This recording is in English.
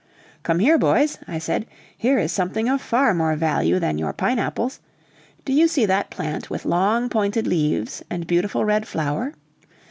"Come here, boys," I said; "here is something of far more value than your pine apples. Do you see that plant with long pointed leaves and beautiful red flower?